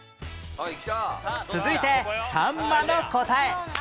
続いてさんまの答え